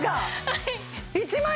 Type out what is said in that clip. はい！